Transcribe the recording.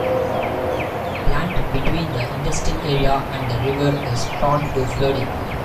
Land between the industrial area and the river is prone to flooding.